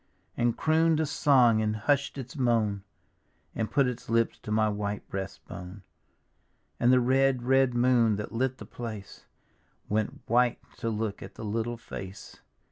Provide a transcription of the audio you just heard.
And croon'd a song, and hush'd its moan, And put its lips to my white breast bone; And the red, red moon that lit the place Went white to look at the little face.